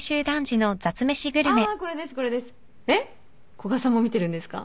古賀さんも見てるんですか？